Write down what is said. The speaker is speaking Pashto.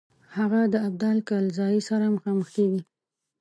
هغه د ابدال کلزايي سره مخامخ کیږي.